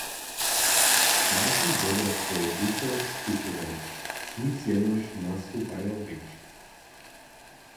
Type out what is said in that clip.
Starši dyrbja swoje dźěćo spěchować, nic jenož nastupajo rěč.